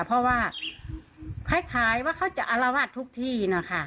เพราะว่าคล้ายว่าเขาจะอารวาสทุกที่นะคะ